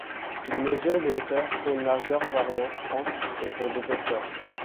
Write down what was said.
Il mesure de hauteur pour une largeur variant entre et pour d'épaisseur.